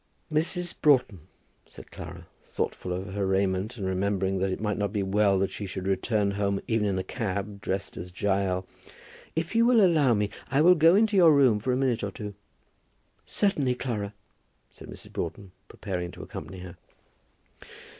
"Mrs. Broughton," said Clara, thoughtful of her raiment, and remembering that it might not be well that she should return home, even in a cab, dressed as Jael; "if you will allow me, I will go into your room for a minute or two." "Certainly, Clara," said Mrs. Broughton, preparing to accompany her.